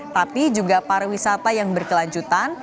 tapi juga pariwisata yang berkelanjutan